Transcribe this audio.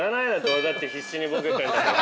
俺だって必死にボケてんだから。